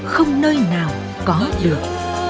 không nơi nào có được